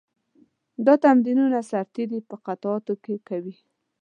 دا تمرینونه سرتېري په قطعاتو کې کوي.